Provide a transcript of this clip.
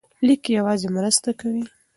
لیک یوازې مرسته کوي.